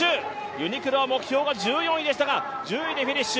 ユニクロは目標が１４位でしたが、１０位でフィニッシュ。